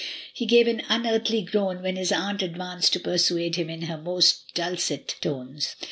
He gave an un earthly groan when his aunt advanced to persuade him in her most dulcet tones.